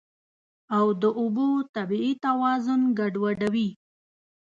او د اوبو طبیعي توازن ګډوډوي.